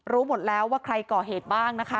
รู้หมดแล้วว่าใครก่อเหตุบ้างนะคะ